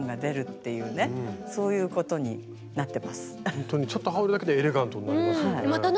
ほんとにちょっと羽織るだけでエレガントになりますね。